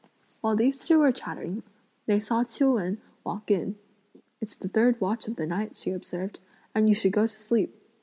While these two were chatting, they saw Ch'iu Wen walk in. "It's the third watch of the night," she observed, "and you should go to sleep.